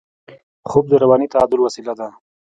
خوب د رواني تعادل وسیله ده